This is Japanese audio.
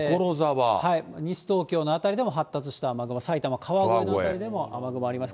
西東京の辺りでも、発達した雨雲、埼玉・川越の辺りでも雨雲あります。